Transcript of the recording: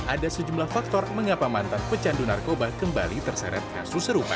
ada sejumlah faktor mengapa mantan pecandu narkoba kembali terseret kasus serupa